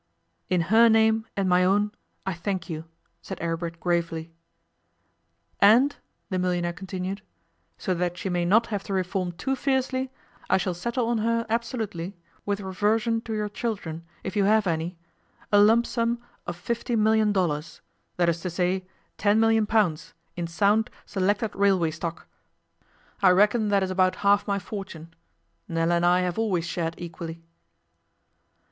'In her name and my own, I thank you,' said Aribert gravely. 'And,' the millionaire continued, 'so that she may not have to reform too fiercely, I shall settle on her absolutely, with reversion to your children, if you have any, a lump sum of fifty million dollars, that is to say, ten million pounds, in sound, selected railway stock. I reckon that is about half my fortune. Nella and I have always shared equally.